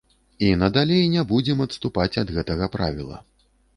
І надалей не будзем адступаць ад гэтага правіла.